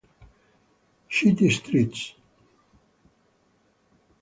City Streets